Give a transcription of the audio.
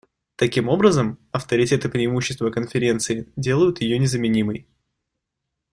Таким образом, авторитет и преимущества Конференции делают ее незаменимой.